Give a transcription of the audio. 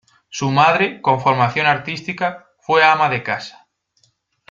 Su madre, con formación artística, fue ama de casa.